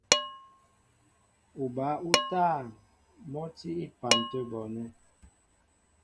Uba útân mɔ́ tí á epan tə̂ bɔɔnɛ́.